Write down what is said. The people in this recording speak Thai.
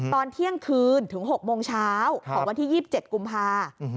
ตอนเที่ยงคืนถึง๖โมงเช้าของวันที่๒๗กุมภา